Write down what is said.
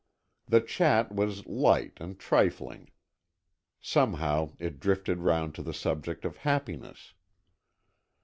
The chat was light and trifling. Somehow it drifted round to the subject of happiness.